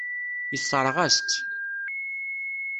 Yessṛeɣ-as-tt.